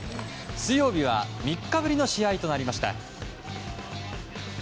水曜日は３日ぶりの試合となりました。